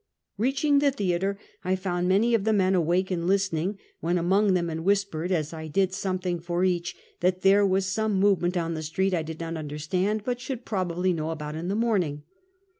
Reaching the theater, I found many of the men awake and listening; went among them and whispered, as I did something for each, that there was some movement on the street I did not understand, but should probably know about in the morning.